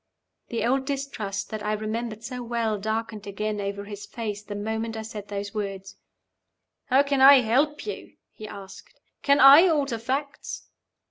The old distrust that I remembered so well darkened again over his face the moment I said those words. "How can I help you?" he asked. "Can I alter facts?"